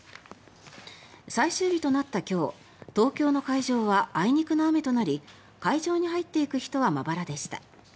最終日となった今日東京の会場はあいにくの雨となり会場に入っていく人はまばらでした。